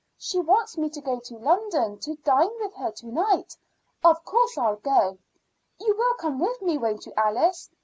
"She wants me to go to London to dine with her to night. Of course I'll go. You will come with me, won't you, Alice?